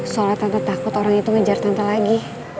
soalnya tante takut orang itu ngejar tante lagi